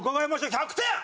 １００点。